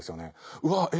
うわえっ！